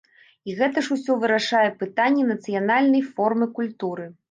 І гэта ж усё вырашае пытанне нацыянальнае формы культуры.